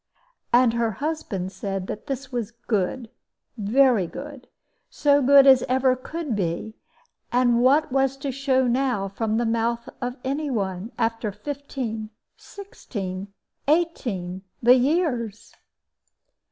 And her husband said that this was good very good so good as ever could be; and what was to show now from the mouth of any one, after fifteen, sixteen, eighteen, the years?